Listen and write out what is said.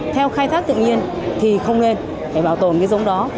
theo khai thác tự nhiên thì không nên phải bảo tồn cái giống đó